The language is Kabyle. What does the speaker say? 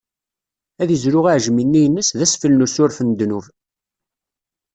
Ad izlu aɛejmi-nni ines, d asfel n usuref n ddnub.